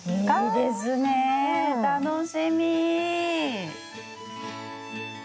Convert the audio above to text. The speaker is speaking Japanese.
いいですね楽しみ。